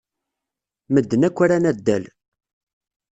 Medden akk ran addal.